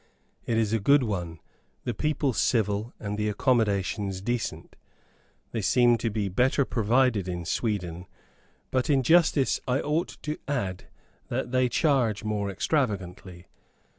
It is a good one the people civil, and the accommodations decent. They seem to be better provided in Sweden; but in justice I ought to add that they charge more extravagantly.